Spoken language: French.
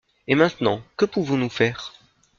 Et maintenant, que pouvons-nous faire?